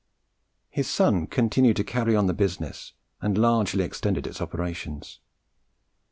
His son continued to carry on the business, and largely extended its operations.